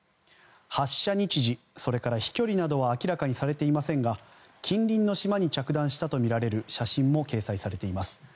発射日時、それから飛距離などは明らかにされていませんが近隣の島に着弾したとみられる写真も掲載されています。